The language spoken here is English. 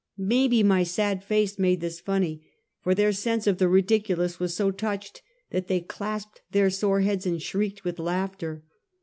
Maybe my sad face made this funny, for their sense of the ridiculous was so touched that they clasped their sore heads and shrieked with laughter.